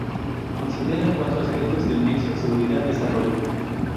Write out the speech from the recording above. Considera cuatro aspectos del nexo seguridad-desarrollo.